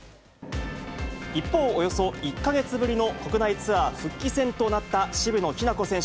一方、およそ１か月ぶりの国内ツアー復帰戦となった渋野日向子選手。